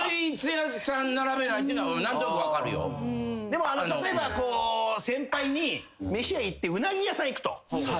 でも例えば先輩に飯屋行ってウナギ屋さん行くと。